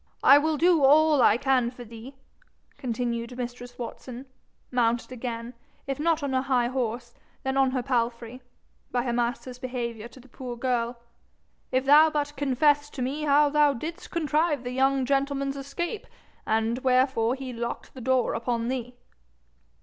'I will do all I can for thee,' continued mistress Watson, mounted again, if not on her high horse then on her palfrey, by her master's behaviour to the poor girl 'if thou but confess to me how thou didst contrive the young gentleman's escape, and wherefore he locked the door upon thee.'